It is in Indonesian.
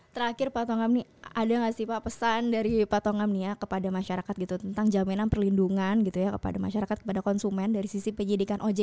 terakhir pak tongam ada nggak sih pak pesan dari pak tongam kepada masyarakat tentang jaminan perlindungan kepada masyarakat kepada konsumen dari sisi penyidikan ojk ini